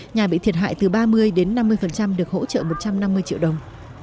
nhà bị thiệt hại từ ba mươi đến năm mươi được hỗ trợ một trăm năm mươi triệu đồng